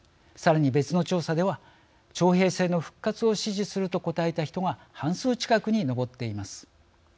さらに別の調査では徴兵制の復活を支持すると答えた人が半数近くに上っています。